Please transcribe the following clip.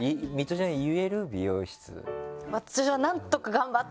私は。